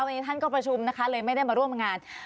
วันนี้ท่านก็ประชุมนะคะเลยไม่ได้มาร่วมงาน